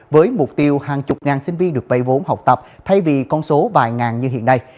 với mục tiêu hàng chục ngàn sinh viên được vây vốn học tập thay vì con số vài ngàn như hiện nay